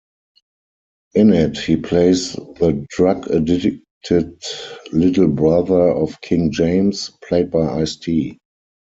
In it, he plays the drug-addicted little brother of King James, played by Ice-T.